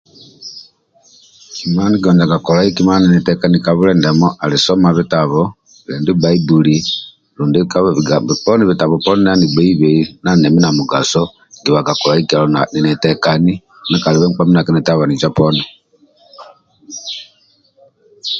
Ndie gonzaga kolai kima ninitekami ka bwile ndiamo ali soma bitabo rundi Bbaibuli rundi ka bigamabo poni ndia bitabo andia anigbeibei ndia anilibe na mugaso nki gozaga kolai ninitekani ndia kalibe nkpa mindia akinitelabaniza poni